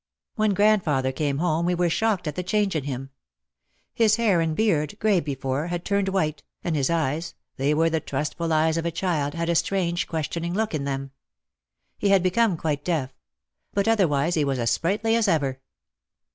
When grandfather came home we were shocked at the change in him. His hair and beard, grey before, had turned white, and his eyes, they were the trustful eyes of a child, had a strange questioning look in them. He had become quite deaf. But otherwise he was as sprightly as ever.